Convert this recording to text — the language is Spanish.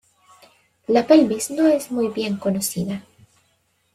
La pelvis no es muy bien conocida.